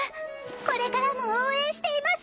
これからも応援しています。